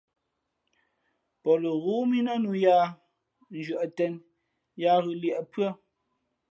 Pō lαghoó mí nά nǔ yāā nzhʉ̄ᾱꞌ tēn yáá ghʉ̌ līēʼ pʉ́ά.